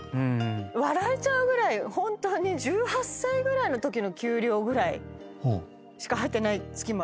笑えちゃうぐらい本当に１８歳ぐらいのときの給料ぐらいしか入ってない月もあるわけ。